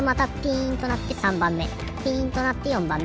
ピンとなって４ばんめ。